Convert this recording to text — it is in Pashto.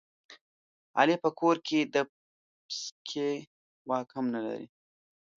علي په کور کې د پسکې واک هم نه لري.